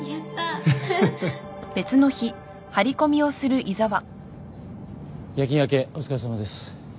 フフ夜勤明けお疲れさまです